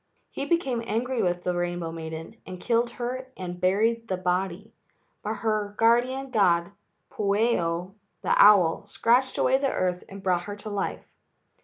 He became angry with the rainbow maiden and killed her and buried the body, but her guardian god, Pueo, the owl, scratched away the earth and brought her to life.